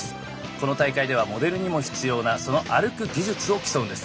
この大会ではモデルにも必要なその「歩く技術」を競うんです。